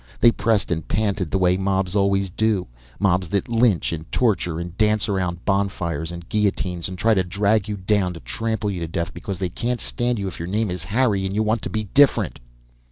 They pressed and panted the way mobs always do; mobs that lynch and torture and dance around bonfires and guillotines and try to drag you down to trample you to death because they can't stand you if your name is Harry and you want to be different.